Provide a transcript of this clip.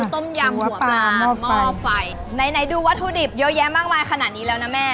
ต้มยำหัวปลาหม้อไฟไหนไหนดูวัตถุดิบเยอะแยะมากมายขนาดนี้แล้วนะแม่